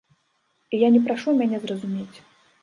І я не прашу мяне зразумець.